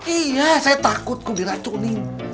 iya saya takut aku diracunin